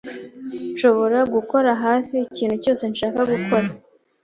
Nshobora gukora hafi ikintu cyose nshaka gukora.